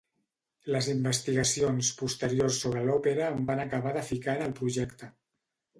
Les investigacions posteriors sobre l'òpera em van acabar de ficar en el projecte.